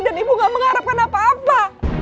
dan ibu gak mengharapkan apa apa